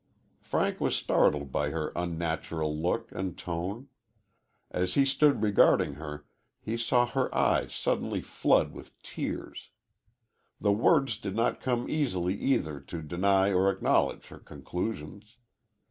Frank was startled by her unnatural look and tone. As he stood regarding her, he saw her eyes suddenly flood with tears. The words did not come easily either to deny or acknowledge her conclusions.